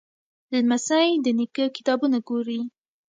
لمسی د نیکه کتابونه ګوري.